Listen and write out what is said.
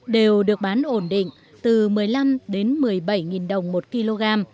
đều được bán ổn định từ một mươi năm đến một mươi bảy đồng một kg